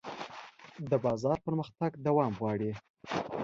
د بازار پرمختګ دوام غواړي.